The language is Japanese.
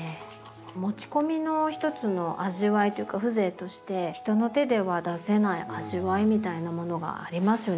持ち込みのひとつの味わいというか風情として人の手では出せない味わいみたいなものがありますよね。